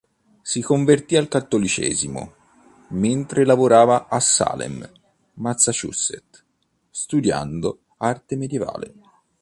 Si convertì al cattolicesimo mentre lavorava a Salem, Massachusetts, studiando arte medievale.